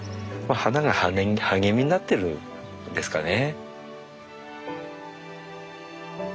花が励みになってるんですかね。